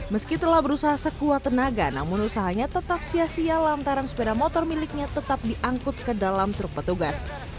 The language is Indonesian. meski telah berusaha sekuat tenaga namun usahanya tetap sia sia lantaran sepeda motor miliknya tetap diangkut ke dalam truk petugas